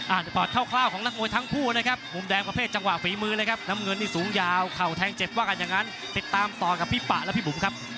ปอดคร่าวของนักมวยทั้งคู่นะครับมุมแดงประเภทจังหวะฝีมือเลยครับน้ำเงินนี่สูงยาวเข่าแทงเจ็บว่ากันอย่างนั้นติดตามต่อกับพี่ปะและพี่บุ๋มครับ